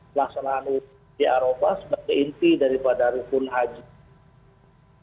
pelaksanaan ujian di aropah sebagai inti daripada rukun hajj